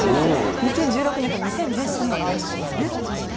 ２０１６年と２０１７年があるんですよね。